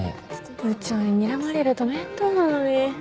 部長ににらまれると面倒なのに。